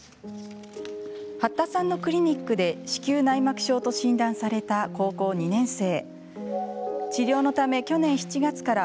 八田さんのクリニックで子宮内膜症と診断された高校２年生。